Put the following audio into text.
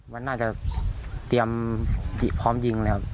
มันน่าจะเตรียมพร้อมยิงเลยครับ